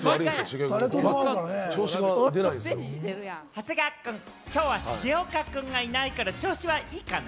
長谷川くん、きょうは重岡君がいないから調子はいいかな？